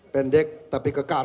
pendek tapi kekar